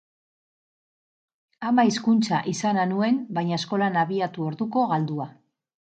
Ama hizkuntza izana nuen, baina eskolan abiatu orduko galdua.